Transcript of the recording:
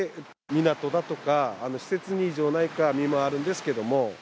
港だとか施設に異常がないか見回るんですけれども。